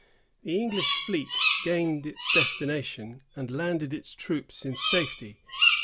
The English fleet gained its destination, and landed its troops in safety.